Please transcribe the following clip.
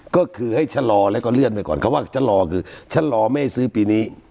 ก็คือให้ชะลอแล้วก็เลื่อนไปก่อนคำว่าชะลอคือฉันรอไม่ให้ซื้อปีนี้